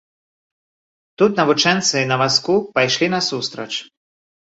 Тут навучэнцы на вазку пайшлі насустрач.